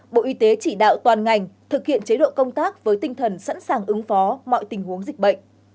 bộ y tế chỉ đạo toàn ngành thực hiện chế độ công tác với tinh thần sẵn sàng ứng phó mọi tình huống dịch bệnh